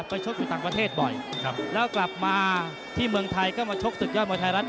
ชกอยู่ต่างประเทศบ่อยแล้วกลับมาที่เมืองไทยก็มาชกศึกยอดมวยไทยรัฐ